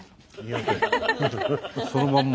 そのまんま。